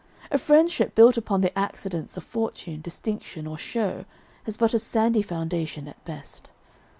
A friendship built upon the accidents of fortune, distinction, or show, has but a sandy foundation at best.